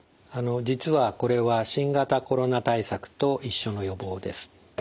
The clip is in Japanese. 実はこれは新型コロナ対策と一緒の予防です。